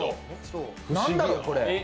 何だろう、これ。